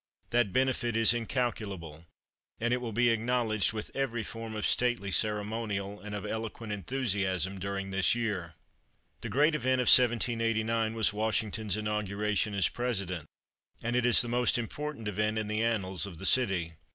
That benefit is incalculable, and it will be acknowledged with every form of stately ceremonial and of eloquent enthusiasm during this year. The great event of 1789 was Washington's inauguration as President, and it is the most important event in the annals of the city.